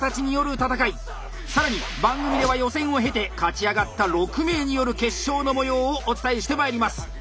さらに番組では予選を経て勝ち上がった６名による決勝の模様をお伝えしてまいります。